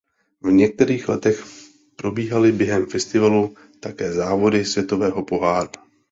V některých letech probíhaly během festivalu také závody světového poháru.